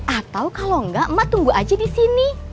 atau kalau enggak emak tunggu aja di sini